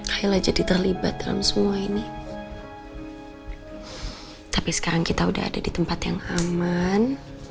akhirnya jadi terlibat dalam semua ini tapi sekarang kita udah ada di tempat yang aman